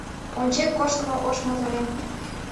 Ончен коштмо ош моторем